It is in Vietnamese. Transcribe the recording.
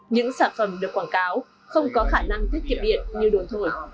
những sản phẩm được quảng cáo không có khả năng tiết kiệm điện như đồi thổi